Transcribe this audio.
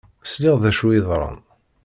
Sliɣ d acu yeḍran.